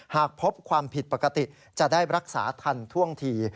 หากพบความผิดปกติจะได้รักษาทันท่วงที